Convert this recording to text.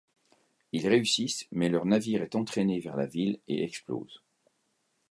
Ils réussissent mais leur navire est entraîné vers la ville et explose.